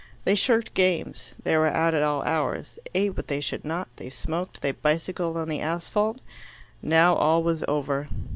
They shirked games, they were out at all hours, they ate what they should not, they smoked, they bicycled on the asphalt. Now all was over.